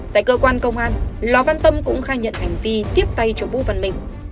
tại cơ quan công an lò văn tâm cũng khai nhận hành vi tiếp tay cho vũ văn minh